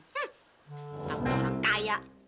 tentu orang kaya